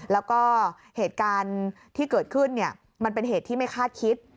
แล้วก็เหตุการณ์ที่เกิดขึ้นมันเป็นเหตุที่ไม่คาดคิด